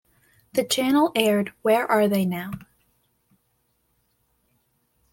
The channel aired Where Are They Now?